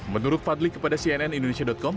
menurut fadli kepada cnn indonesia com